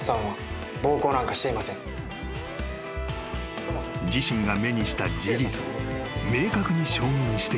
［自身が目にした事実を明確に証言してくれた］